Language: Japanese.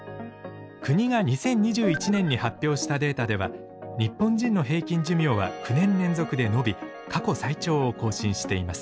国が２０２１年に発表したデータでは日本人の平均寿命は９年連続で延び過去最長を更新しています。